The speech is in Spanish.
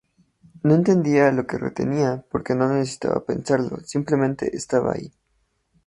No entendía lo que retenía porque no necesitaba pensarlo, simplemente estaba ahí.